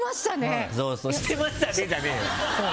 してましたねじゃないよ！